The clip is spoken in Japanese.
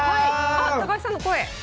あ高橋さんの声！